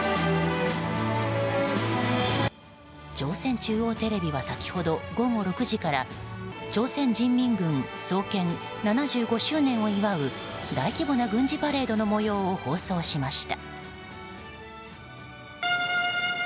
朝鮮中央テレビは先ほど午後６時から朝鮮人民軍創建７５周年を祝う大規模な軍事パレードの模様を放送しました。